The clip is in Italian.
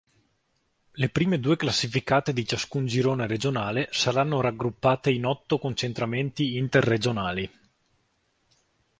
Le prime due classificate di ciascun girone regionale saranno raggruppate in otto concentramenti interregionali.